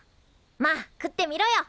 まあ食ってみろよ。